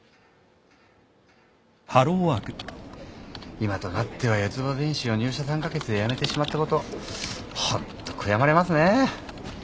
今となっては四葉電子を入社３カ月で辞めてしまったことホント悔やまれますね。